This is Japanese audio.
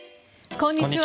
こんにちは。